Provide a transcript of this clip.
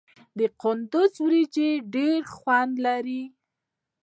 د کندز وریجې ډیر خوند لري.